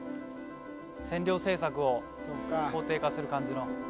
占領政策を肯定化する感じの。